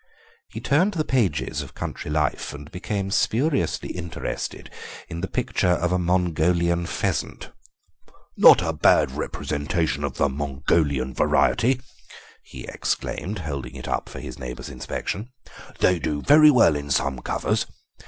He turned the pages of Country Life and became spuriously interested in the picture of a Mongolian pheasant. "Not a bad representation of the Mongolian variety," he exclaimed, holding it up for his neighbour's inspection. "They do very well in some covers.